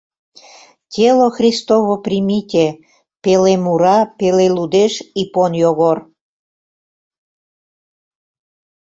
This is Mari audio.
— Тело христово примите... — пеле мура, пеле лудеш Ипон Йогор.